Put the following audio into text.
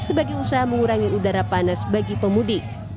sebagai usaha mengurangi udara panas bagi pemudik